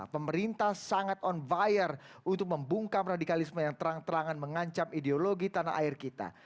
pemerintah sangat on fire untuk membungkam radikalisme yang terang terangan mengancam ideologi tanah air kita